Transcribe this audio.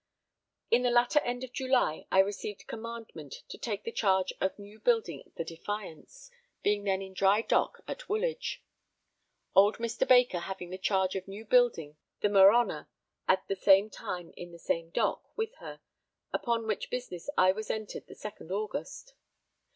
In the latter end of July I received commandment to take the charge of new building the Defiance, being then in dry dock at Woolwich. Old Mr. Baker having the charge of new building the Merhonor at the same time in the same dock with her, upon which business I was entered the second August.